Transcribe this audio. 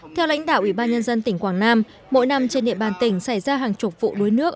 theo lãnh đạo ủy ban nhân dân tỉnh quảng nam mỗi năm trên địa bàn tỉnh xảy ra hàng chục vụ đuối nước